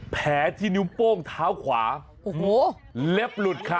แผลที่นิ้วโป้งเท้าขวาโอ้โหเล็บหลุดค่ะ